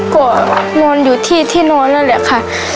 กลัวนอนอยู่ที่ที่นอนแล้วแหละค่ะ